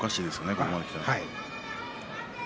ここまできたら。